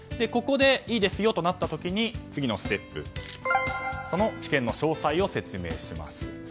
ここで、いいですよとなった時に次のステップ、その治験の詳細を説明します。